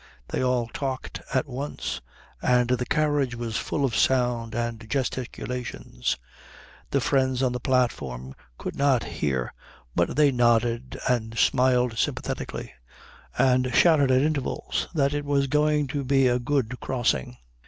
They all talked at once, and the carriage was full of sound and gesticulations. The friends on the platform could not hear, but they nodded and smiled sympathetically and shouted at intervals that it was going to be a good crossing.